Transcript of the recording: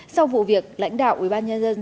sau vụ việc lãnh đạo ubnd xác nhận